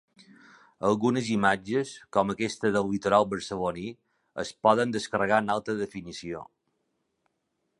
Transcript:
Algunes imatges, com aquesta del litoral barceloní, es poden descarregar en alta definició.